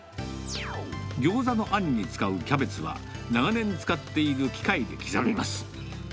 ギョーザのあんに使うキャベツは、長年使っている機械で刻みます。